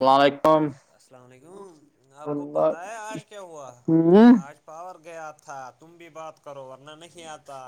السلام علیکم السلام علیکم آپ کو پتہ ہے ج کیا ا آج پاور گیا تھا تم بھی بات کرو ورنہ نہیں آتا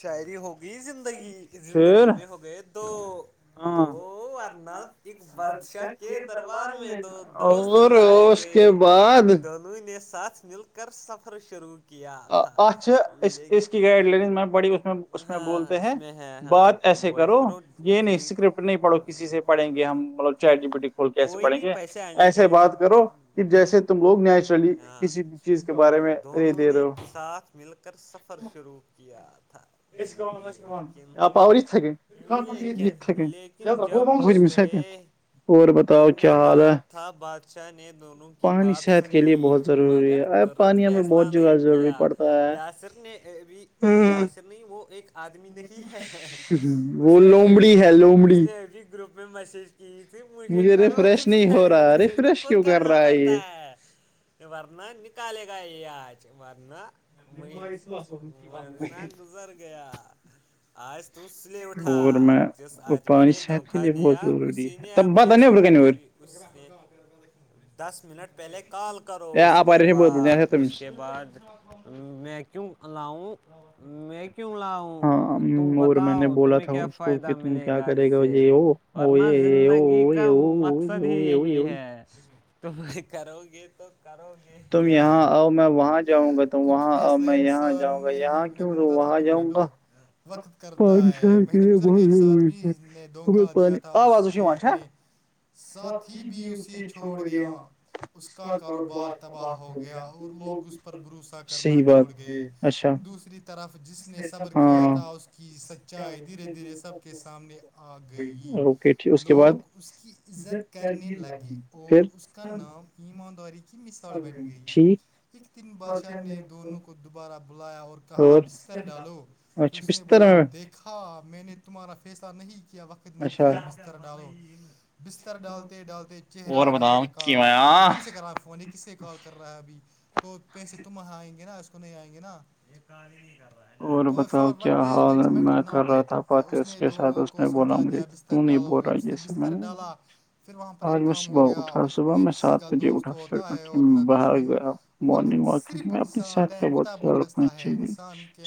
شاعری ہوگی زندگی زندگی میں ہو گئے دو تو ارنب ایک بادشاہ کے دربار میں دوست لائے گئے دونوں نے ساتھ مل کر سفر شروع کیا اچھ اس کی گائڈ لائن میں بڑی اس میں اس میں بولتے ہیں بات ایسے کرو یہ نہیں اسکرپٹ نہیں پڑھو کسی سے پڑیں گے ہم مطلب چار ڈی بیٹی کھول کے ایسے پڑیں گے ایسے بات کرو کہ جیسے تم لوگ نیچرلی کسی بھی چیز کے بارے میں رہ دے رہے ہو ساتھ مل کر سفر شروع کیا تھا لیکن لیکن جب ہو گئے تم نے کہا تھا بادشاہ نے دونوں کی بات سنی مگر ترنت فیصلہ نہیں کیا یاسر نے ابھی یاسر نہیں وہ ایک آدمی نہیں ہے اس نے اب اس نے ابھی گروپ میں میسیج کی تھی مجھے کرو ریفج میسیج تو خود کرنا پڑتا ہے ورنہ نکالے گا یہ آج ورنہ مینزر گیا آج تو س لے اٹھا جس آدمی نے دوکھا دیا تب بتا نہیں ب کہنی دس منٹ پہلے کال کرو اس کے بعد اس کے بعد م کیوں لاؤ م کیوں لاؤ ہاں اور میں نے بولا تھا اس کو کہ تم کیا کرے گا یہ ہو ورنہ زندگی کا مقصد ہی یہی ہے تم کرو گے تو کرو گے تم یہاں آؤ میں وہاں جاؤں گا تم وہاں آؤ میں یہاں جاؤں گا یہاں کیوں تو وہاں جاؤں گا پانی س بانیاز ساتھی بھی اسے چھوڑ دیا اس کا کاروبار تباہ ہو گیا وہ لوگ اس پر صحیح باتئے اچھا ہاں اوکے ٹھیک اس کے بعد اس کی عزت کرنے لگے اور اس کا نام ایمانداری کی مثال بن گئی ایک تن بادشاہ نے دونوں کو دوبارہ بلایا اور اور اچھا بستستر میں تھا میں نے تمہارا فیصلہ نہیں کیا بقت نے کیا بستر ڈالو بستر ڈالتے ڈالتے چہرہ نے نقاب کرا ہے فون یہ کس سے کال کر رہا ہے ابھی تو پیسے تم وہاں آئیں گے نا اس کو نہیں آئیں گے نا یہ کار ہی نہیں کر رہا ہے اور بتاؤ کیا حال میں کر رہا تھا بات اس کے ساتھ اس نے بولاؤی کیوں نہیں بول رہا ہے س میں پھر وہاں پر ایک کام ہو گیا وقت میں سات بجے اٹھا پھر باہر گیا مارننگ واک کیوںکہ میں اپنی صحت کا بہت خیال رکھ اچھا جی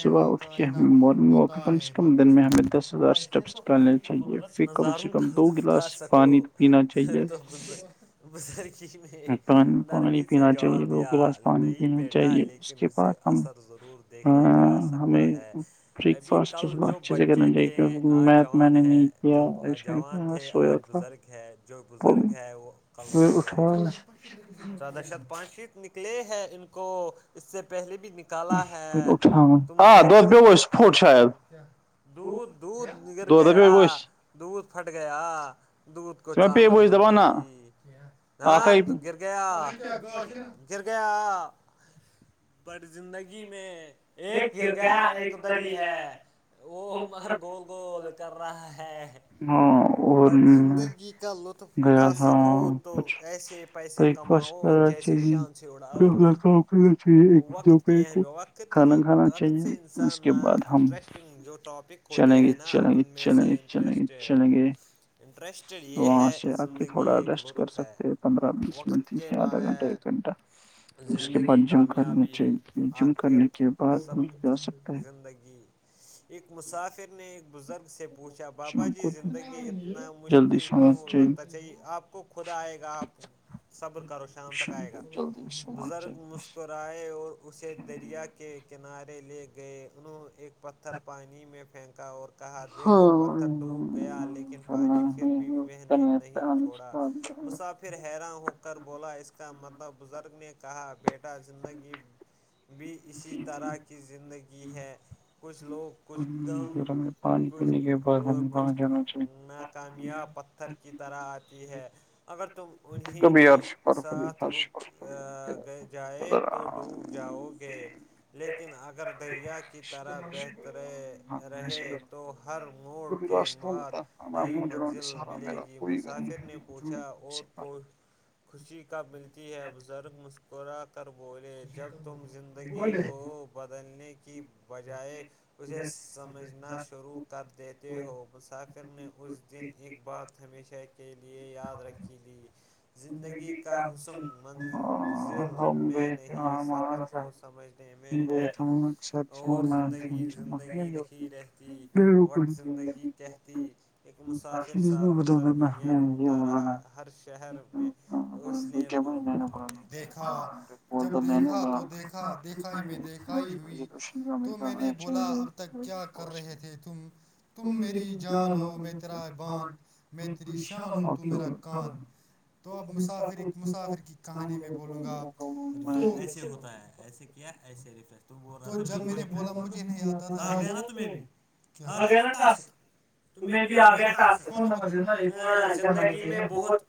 صبح اٹھ کے ہم مارننگ واک کا کم سے کم دن میں ہمیں دس ہزار اسٹیپس نکالنے قدرت نظاروں کارض اٹھا سکو تو ج میں نرمی سے جواب دیا نہیں بیٹا لیکن اس سے اثر ضرور دیکھے جا سکتا ہے ابھی کل جو بچے تھے آج جوان ہے جو جوان تھے آج بزرگ ہے جو بزرگ ہے وہ قم مر جائیں گے زدہ شت پانچ شت نکلے ہیں ان کو اس سے پہلے بھی نکل کلا ہے تم دیکھ سکتے ہو کیا دھ دھ نر گیا دودھ پھٹ گیا دودھ کو چاامن بن گئی ہاں گر گیا گر گیا بڑی زندگی میں ایک گر گیا ایک دری ہے وہ مگر گول گول کر رہا ہے ہاں اور گیا تھا کچھ ایسے پیسے کماؤ جیسے شان سے اڑاؤ ایک تو کہ وقت کی وقت سے انسان نہ انٹرسٹنگ جو اپک چنگ چ چ چگ چے انٹرسٹڈ یہ ہے زندگی ایک لطف ہے وقت کے بغیر زندگی جن کرل میں چاہ آخریت سب زندگی ایک مسافر نے ایک بزرگ سے پوچھا بابا جی زندگی اتنا مشکل کیوں لگتا چاہیے آپ کو خود آئے گا آپ صبر کرو شام تک آئے گا بزرگ مسک کوائے اور اسے دریا کے کنارے لے گئے انہوں نے ایک پتھر پانی میں پھینکا اور کہا دیکھو پتھر ڈوب گیا لیکن پانی پھر بھی بہنے نہیں چھوڑا مسافر پھر حیران ہو کر بولا اس کا مطلب بزرگ نے کہا بیٹا زندگی بھی اسی طرح کی زندگی ہے کچھ لوگ کچھ دغم کچھ اور کچھ ناکامیاب پت کی طرح آتی ہے اگر تم انہیں کی ساتھ رک چل ج تو ڈوب جاؤ گے لیکن اگر دریا کی طرح بہتر رہے تو ہر موڑ کے بعد نئی منزل ملے گی مسافر نے پوچھا اور کو خوشی کب ملتی ہے بزرگ م با کر بولے جب تم زندگی کو بدلنے کی بجائے اسے سمجھنا شروع کر دیتے ہو مساکر نے اس دن ایک بات ہمیشہ کے لئے یاد رکھی گ زندگی کا حسن من ضیل مین ہی سفر کو سمجھنے میں ہے اور زندگی زندگی نہیں رہتی بٹ زندگی کہتی ا مسافر سالوں تک دنیا گھومتا رہا ہر شہر میں اس نے لوگوں کو دیکھا جب دیکھا تو دیکھا دیکھا ہی میں دیکھائی ہوئی تو میں نے بولا اب تک کیا کر رہے تھے تم تم میری جان ہو میں تیرا بان میں تیری شان ہوں تو میرا کان تو اب مسافر مسافر کی کہانی میں بولوں گا آ ایسے ہوتا ہے ایسے کیا ایسے ر رہ جب میں بولا مجھے نہیں آتا تھا میں بھی گئے نا ٹاسک میں بھی آ گیا ٹر مل میں جمر گ میں بہت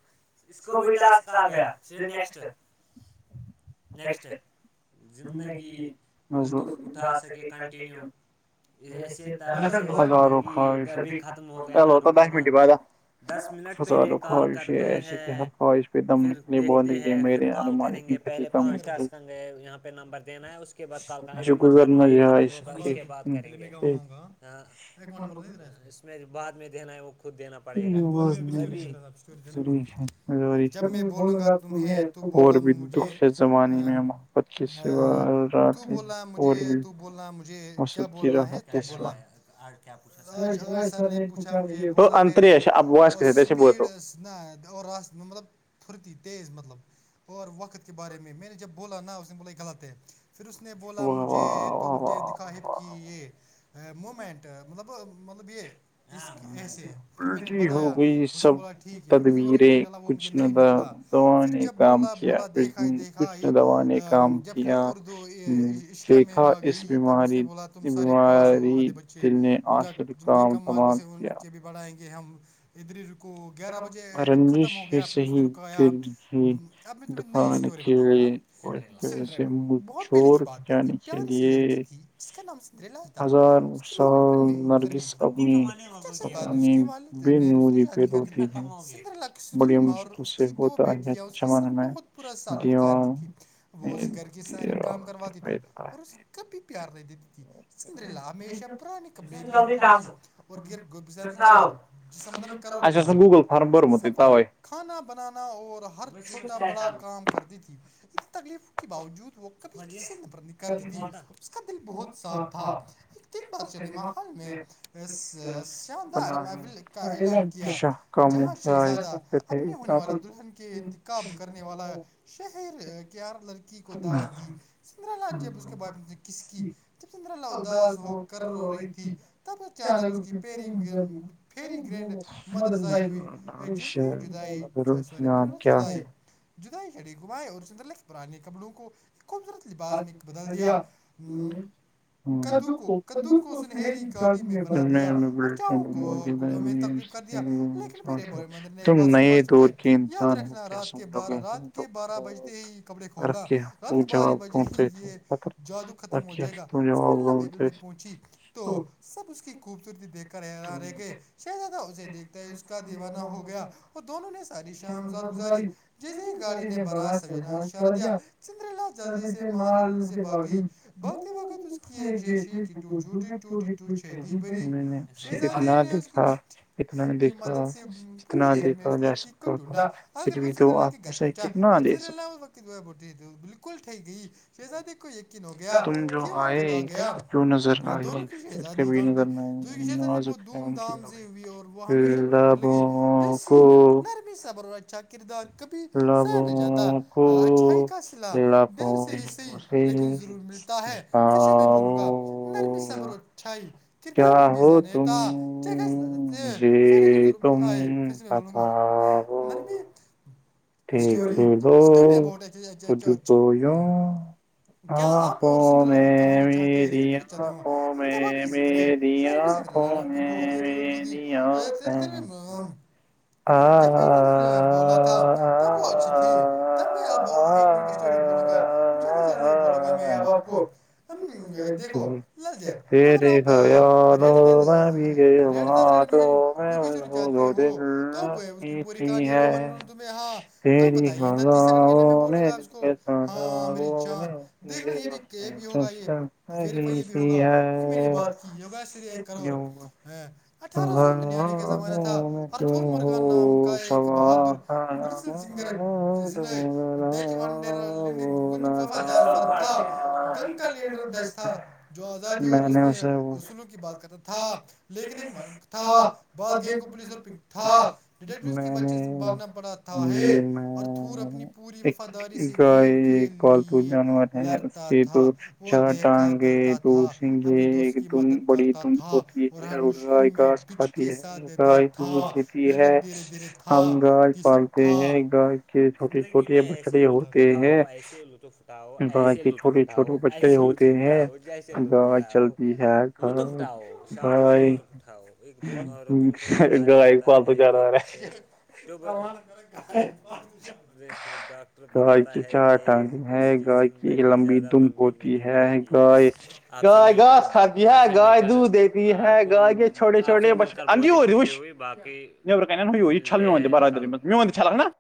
اسڈاتا نٹ نیکسٹ ہم گاس کے کڈو ہگارو خش چلو ہوتا دس منٹ بعد فضال و خواہش ہے ایسسی کہ ہر خواہش پہ دمنے کے لیے بوند کے لیے مے ال کریں گے پہلے پانچاس کن گ یہاں پہ نمبر دینا ہے اس کے بعد کال کر ابھی مت کرنا ہو یہ ختم ہوگا اس کے بعد کریں گ ہ نمبر اس میں بد میں دینا ہے وہ خود دینا پڑے گا جب میں بولوں گا تمہیں بولا مجھے تو بولا مجھے تو بول مجھے مجھے کیا بولنا ہے تو بولنا ہے آج آج سر نے پوچھا مجھے بولا پیلی سپیڈ نہ اور ملب پھرتی تیز مطلب اور وقت کے بارے میں نے جب بولا نا اس نے بولا لط ہے پھر اس نے بولا مجھے تو مجھے دکھا ہے کہ یہ مومنٹ مطلب مطلب یہ ہو گئی سب تدویریں کچھ نہ تھا دوا نے کام کیا کچھ دوا نے کام کیا ہ دیکھا اس بیماری بیماری دل نے آٹ سو ر کام دماز کیا بڑھائیں گے ہم ادھر ا کو گیارہ بجے جب ختم ہو گیا پھر اس نے رکایا جیھیک اب میں تمہیں نئی اسٹوری بتاؤں گا سنڈریا بہت پہلے کی بات ہے ایار س لڑکی تھی ج کا نام سندری ل تھا اس کی ماں بچپن میں ہی گزر گئی ت بھی کانے ب بھی نہیں ہوی پ ر ہوتی ستر لک ستلی م اور اس کی دو بیٹی اس کے ساتھ بہت برا سعلوق کرتی تھی وہ اس گھر کی ساری کام کرواتی تھی اور اسے کبھی پیار نہیں دیتی تھی چندر ل ہمیشہ پرانی کب گب کررو جس کا مطلب میں کروڑ کمؤں گا صفائی کھانا بنانا اور ہات چھوٹا بڑا کام کرتی تھی انی تکلیف کے باوجود وہ کھی نر کر دی ت اس کا دل بہت صاف تھا ایک تین بار سنیما ہال میں اچھا کم ہے توپ انتخاب کرنے والا شہر کیار لڑکی کو دعوت دی ہد ہو کر لو رہی تیک [unintelligible] سرو زان جدائی جدائی جھڑی گمائےیں اور ستلق پرانے کپڑوں کو خوبصورت لباس میں ایک بدل دیا کدو کو کدو کو سنہری گاڑی میں بنا دیا اور چاہوں کو گڑوں میں تقریبا ہ تم نئے دور کی کیا س لو گے ہم رکھے ت جواب [unintelligible] سب اس کی خوبصورتی دیکھ کررا رہے گئے شہزادا اسے دیکھتا ہی اس کا دیوانہ ہو گیا اور دونوں نے ساری آامزاد گزاری جیسے گاڑی نے براز سج اشارہ دیا چندری لال جلدی سے ماحل سے باگی باقی واقت اس کی ایک چھ کٹو جو ڈی ٹو ڈی ٹو چھ چ بھی ہیں اس اتنا دیکھا اتنا دیکھا اتنا دیکھا ج سک ڈھونڈا اگر وہ سرلا کے گھر پہنچا جب سرلا بالکل ٹھی گئی شزاد کو یقین ہو گیا کیا وقت آ گیا دونوں کی شزادادان ل لبو کو ہمسہ بر چا کرردار کبھی سا نہ جاتا اچھائی کااصلہ دیر سے ہی صحیح لیکن ضرور ملتا ہے پھر سے میں بولوں گا نرمی صبر و اچھائی کردار کے بیاتا بوں گا مربت ٹھیک ب کھ کووں آ ہ میں م ریا ہو میں م ریاں اللہانا کی بہت ایک لوڑکی تھی کر جب میں بولا تھا تب وہ اچھی تھی تب میں اب ایک منٹ کے اسٹوری بولوںا جلدی سے جلدی بولوں گا میں اب آپ کو دیکھو لل جائ اگر آپ ریٹ د ہے ریٹ د ریڈ مشین کیکشر چاہتے ہو تو اس کی پوری کہانی رومنہ ہاں تو بتائیے انتیس سیکنڈ کے لیے میں بولوں گاپ اس کو ہاں امرت جان دیکھنا یہ بھی یہ بھی ہوگا یہ ویریفائی یہ بھی ہوگا کیونکہ میں نے بات کی یہ ہوگا صر ایک کروڑ ہ اٹھارہ سو ننوے کا زمانہ تھا اور تھور مرغان نام کاائےیک بہادر گلسل سنگر زنائی ڈچ ونڈے گج ج تھا گنگ کا لیڈر دش تھا جو آزادی اور اس نے اصولوں کی بات کرا تھا لیکن ایک تھا بعات گینگ کو پولیس اور پ تھا ڈیٹیکٹوس کے بچے سے بھاگنا پڑا تھا ہے اور تھور اپنی ایک گائے ایک پالتو جانور ہے اس سے تو چاٹانگے دو سن گے ایک د بڑی د پ گائے گاس کاتی ہے گائے دود ہے ہم گھر پالتے ہیں گائے چھوٹیے چھوٹے بچڑے ہوتے ہیں اٹھاؤ ایسے لطف اٹھاؤ ایسے لطف اٹھاؤ جیسے لطف اٹاؤ لطف اٹھاؤ شاٹ میںہ لطف اٹھاؤ ایک دن عورتوں کو پتہ چلتا ہے کہ اسے ہ ڈاکٹر بتاتا ہے یہ اس کیی کی لمبی دن ہوتی ہے گائے گائے گاس کھاتی ہے گائے دودھ دیتی یہ ہے گ چھوٹے چھوٹے بچ اندی ہوور ویھ نیب کک ہ ہو یہ چھ ممیون برادری م میون چلک نا